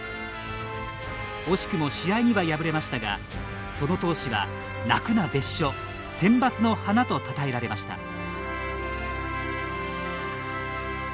惜しくも試合には敗れましたがその闘志は「泣くな別所センバツの花」とたたえられました。